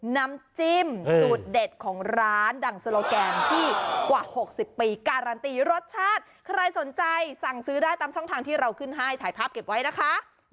น้ำจิ้มสูตรเด็ดของร้านดังโซโลแกนที่กว่า๖๐ปีการันตีรสชาติใครสนใจสั่งซื้อได้ตามช่องทางที่เราขึ้นให้ถ่ายภาพเก็บไว้นะคะ